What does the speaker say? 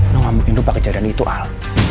no gak mungkin lupa kejadian itu al